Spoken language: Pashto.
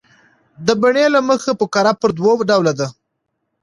د بڼي له مخه فقره پر دوه ډوله ده.